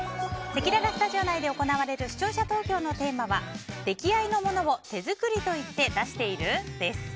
せきららスタジオ内で行われる視聴者投票のテーマは出来合いのものを手作りといって出している？です。